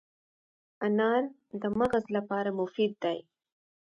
انار د مغز لپاره مفید دی.